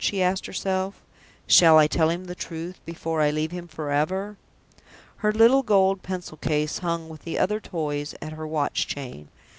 she asked herself. "Shall I tell him the truth before I leave him forever?" Her little gold pencil case hung with the other toys at her watch chain.